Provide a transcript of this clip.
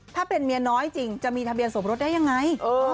ถ้าเป็นเมียน้อยจริงจะมีทะเบียนสมรสได้ยังไง